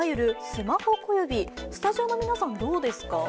スタジオの皆さん、どうですか？